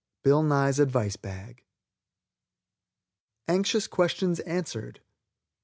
BILL NYE. BILL NYE'S ADVICE BAG. ANXIOUS QUESTIONS ANSWERED.